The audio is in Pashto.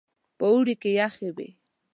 په اوړي کې يخې وې.